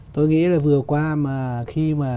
tôi nghĩ là vừa qua mà khi mà